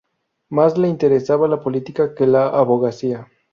Más le interesaba la política que la abogacía.